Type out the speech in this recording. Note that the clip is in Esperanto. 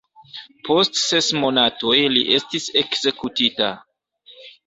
Post ses monatoj li estis ekzekutita.